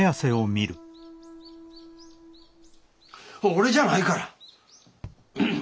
俺じゃないから！